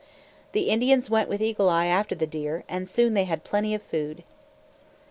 The Indians went with Eagle Eye after the deer, and soon they had plenty of food.